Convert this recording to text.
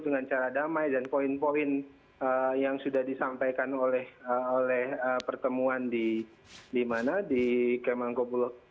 terima kasih pak prabowo